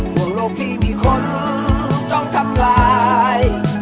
บนโลกที่มีคนต้องทำลาย